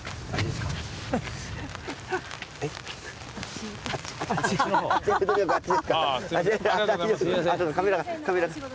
すいません何か。